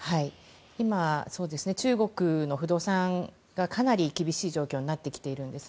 今、中国の不動産がかなり厳しい状況になってきています。